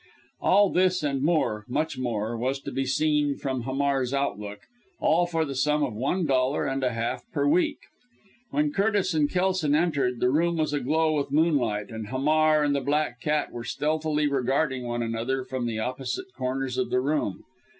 All this and more much more was to be seen from Hamar's outlook, and all for the sum of one dollar and a half per week. When Curtis and Kelson entered, the room was aglow with moonlight, and Hamar and the black cat were stealthily regarding one another from opposite corners of the room.